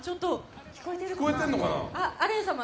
聞こえてるのかな。